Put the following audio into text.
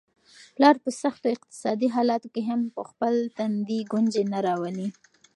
پلار په سختو اقتصادي حالاتو کي هم په خپل تندي ګونجې نه راولي.